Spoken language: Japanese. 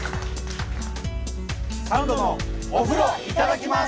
「サンドのお風呂いただきます」。